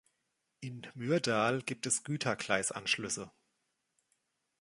In Myrdal gibt es Gütergleisanschlüsse.